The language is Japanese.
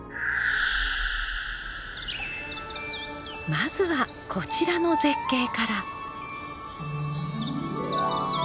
まずはこちらの絶景から。